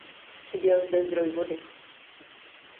Chyběl zde zdroj vody.